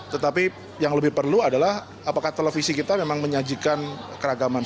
tetapi yang lebih perlu adalah apakah televisi kita memang menyajikan keragaman